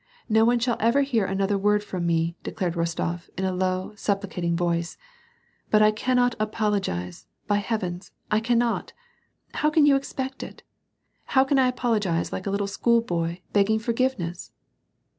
No one shall ever hear another word from me," declared Rostof, in a low, supplicat ing voice, " but I cannot apologize, by heavens, I cannot ! how can you expect it ? How can I apologize like a little school boy, begging forgiveness